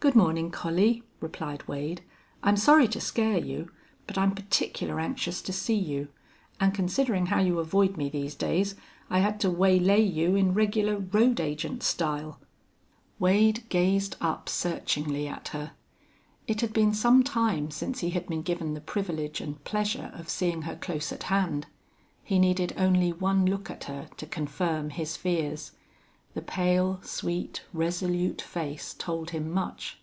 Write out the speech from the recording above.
"Good mornin', Collie," replied Wade. "I'm sorry to scare you, but I'm particular anxious to see you. An' considerin' how you avoid me these days, I had to waylay you in regular road agent style." Wade gazed up searchingly at her. It had been some time since he had been given the privilege and pleasure of seeing her close at hand. He needed only one look at her to confirm his fears. The pale, sweet, resolute face told him much.